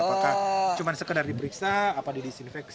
apakah cuman sekedar diperiksa apa didisinfeksi